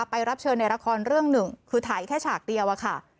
รับเชิญในละครเรื่องหนึ่งคือถ่ายแค่ฉากเดียวอะค่ะ